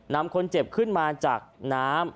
นำคนเจ็บขึ้นมาจากน้ำ